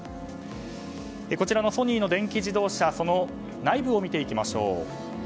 ソニーの電気自動車の内部を見ていきましょう。